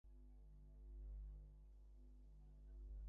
মন্ত্রী কহিতেছেন, বেটা, প্রতাপাদিত্যের সঙ্গে আমাদের মহারাজের তুলনা।